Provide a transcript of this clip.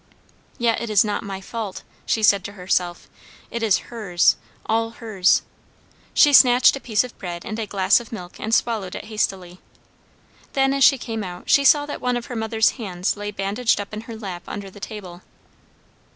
"Yet it is not my fault," she said to herself, "it is her's all her's." She snatched a piece of bread and a glass of milk, and swallowed it hastily. Then, as she came out, she saw that one of her mother's hands lay bandaged up in her lap under the table.